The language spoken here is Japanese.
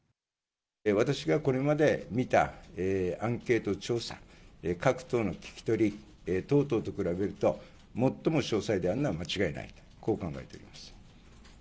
私がこれまで見たアンケート調査、各党の聞き取り等々と比べると、最も詳細であるのは間違いない、こう考えています。